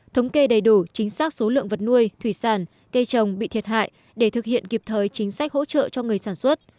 thống kê đầy đủ chính xác số lượng vật nuôi thủy sản cây trồng bị thiệt hại để thực hiện kịp thời chính sách hỗ trợ cho người sản xuất